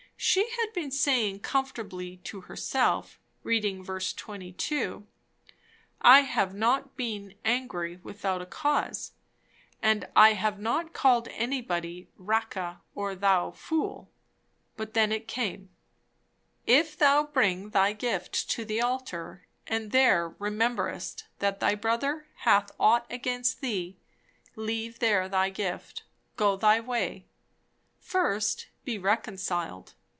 She had been saying comfortably to herself, reading v. 22, I have not been "angry without a cause"; and I have not called anybody "Raca," or "Thou fool"; but then it came "If thou bring thy gift to the altar, and there rememberest that thy brother hath ought against thee, leave there thy gift... go thy way... first be reconciled...